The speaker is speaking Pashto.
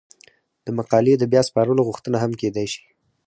د مقالې د بیا سپارلو غوښتنه هم کیدای شي.